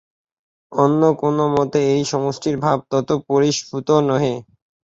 অন্য কোন মতে এই সমষ্টির ভাব তত পরিস্ফুট নহে।